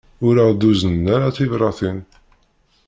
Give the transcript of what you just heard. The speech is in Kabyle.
Ur aɣ-d-uznen ara tibratin.